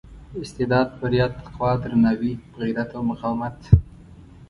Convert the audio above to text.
استعداد بریا تقوا درناوي غیرت او مقاومت.